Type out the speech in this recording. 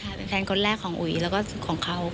เป็นแฟนคนแรกของอุ๋ยแล้วก็ของเขา